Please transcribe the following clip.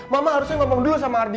mama harusnya ngomong dulu sama ardi